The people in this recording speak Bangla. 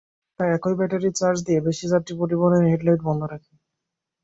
তাই একই ব্যাটারির চার্জ দিয়ে বেশি যাত্রী পরিবহনে হেডলাইট বন্ধ রাখি।